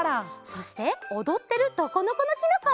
そしておどってる「ドコノコノキノコ」！